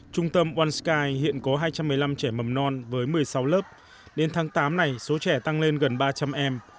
trung tâm oan sky hiện có hai trăm một mươi năm trẻ mầm non với một mươi sáu lớp đến tháng tám này số trẻ tăng lên gần ba trăm linh em